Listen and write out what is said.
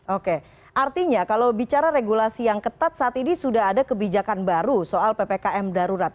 oke artinya kalau bicara regulasi yang ketat saat ini sudah ada kebijakan baru soal ppkm darurat